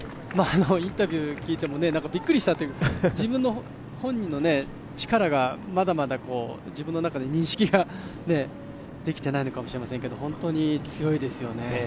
インタビューを聞いてもびっくりしたというか、本人の力がまだまだ自分の中で認識ができていないのかもしれませんけど、本当に強いですよね。